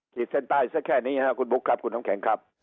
เส้นใต้ซะแค่นี้ครับคุณบุ๊คครับคุณน้ำแข็งครับ